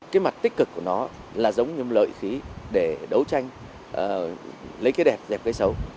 cái mặt tích cực của nó là giống như lợi khí để đấu tranh lấy cái đẹp dẹp cái xấu